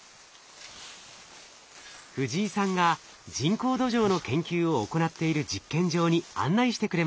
藤井さんが人工土壌の研究を行っている実験場に案内してくれました。